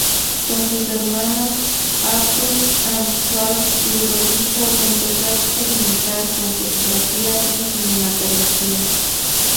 Con sus hermanos Arthur and Carl Ludovico, empezó a experimentar con fotografía y cinematografía.